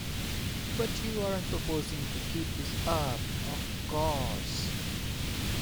But you aren't proposing to keep this up, of course?